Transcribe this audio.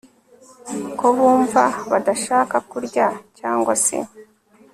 ko bumva badashaka kurya cyangwa se